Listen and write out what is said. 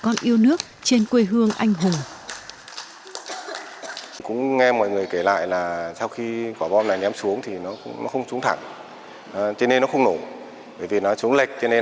con yêu nước trên quê hương anh hùng